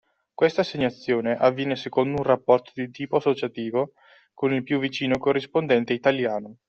Questa assegnazione avviene secondo un rapporto di tipo associativo con il più vicino corrispondente italiano.